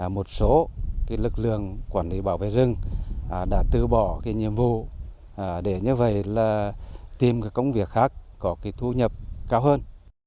một số lực lượng quản lý bảo vệ rừng đã từ bỏ cái nhiệm vụ để như vậy là tìm công việc khác có thu nhập cao hơn